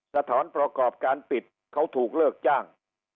สถานประกอบการปิดเขาถูกเลิกจ้าง